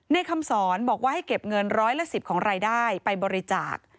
คำสอนบอกว่าให้เก็บเงินร้อยละ๑๐ของรายได้ไปบริจาค